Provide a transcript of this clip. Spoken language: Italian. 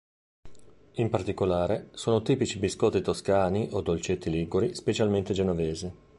In particolare, sono tipici biscotti toscani o dolcetti liguri specialmente genovesi.